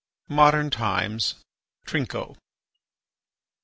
MODERN TIMES: TRINCO I.